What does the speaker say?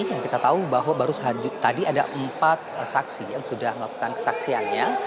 yang kita tahu bahwa baru tadi ada empat saksi yang sudah melakukan kesaksiannya